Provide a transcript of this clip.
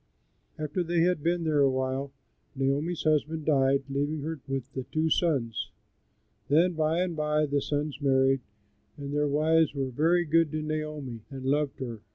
After they had been there a while Naomi's husband died, leaving her with the two sons. Then, by and by, the sons married, and their wives were very good to Naomi, and loved her.